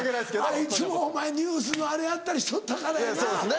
あいつもお前ＮＥＷＳのあれやったりしとったからやな。